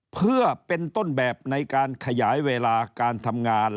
เพื่อเป็นต้นแบบในการขยายเวลาการทำงาน